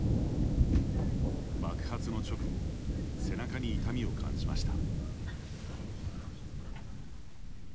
爆発の直後背中に痛みを感じました。